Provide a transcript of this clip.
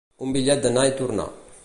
Un bitllet d'anar i tornar.